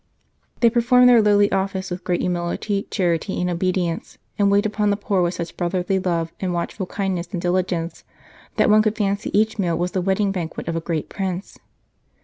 They perform their lowly office with great humility, charity, and obedience, and wait upon the poor with such brotherly love and watchful kindness and diligence that one could fancy each meal was the wedding banquet of a great Prince.